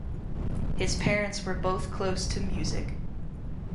His parents were both close to music.